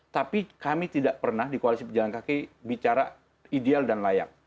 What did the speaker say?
tapi kami tidak pernah di koalisi pejalan kaki bicara ideal dan layak